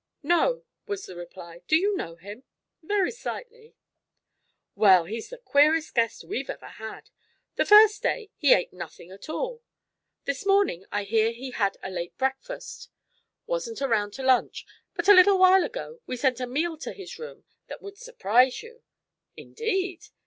"No," was the reply. "Do you know him?" "Very slightly." "Well, he's the queerest guest we've ever had. The first day he ate nothing at all. This morning I hear he had a late breakfast. Wasn't around to lunch, but a little while ago we sent a meal to his room that would surprise you." "Indeed!"